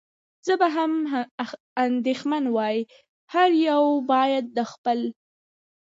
زه به هم اندېښمن وای، هر یو باید د خپل.